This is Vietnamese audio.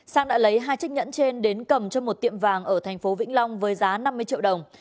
sang đã lấy hai chiếc nhẫn trên đến cầm cho một tiệm vàng ở thành phố vĩnh long với giá năm mươi triệu đồng